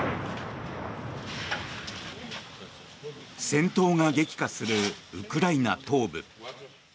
戦闘が激化するウクライナ東部。